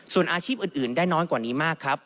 ส่วนอาชีพอื่นได้น้อยกว่านี้มากครับ